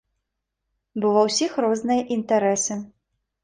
Бо ва ўсіх розныя інтарэсы.